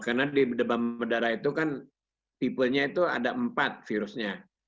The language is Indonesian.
karena di demam berdarah itu kan tipenya itu ada empat virusnya